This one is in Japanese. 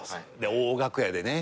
大楽屋でね